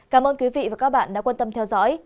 cảm ơn quý vị và các bạn đã quan tâm theo dõi